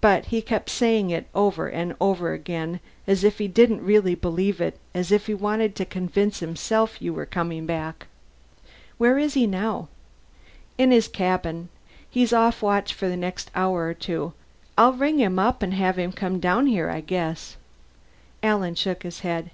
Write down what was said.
But he kept saying it over and over again, as if he didn't really believe it, as if he wanted to convince himself you were coming back." "Where is he now?" "In his cabin. He's off watch for the next hour or two. I'll ring him up and have him come down here, I guess." Alan shook his head.